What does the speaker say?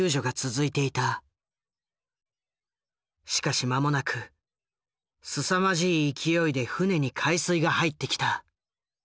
しかし間もなくすさまじい勢いで船に海水が入ってきた。